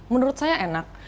menurut saya enak